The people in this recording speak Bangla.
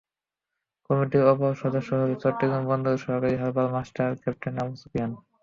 কমিটির অপর সদস্য হলেন চট্টগ্রাম বন্দরের সহকারী harbour master captain Abu Sufian.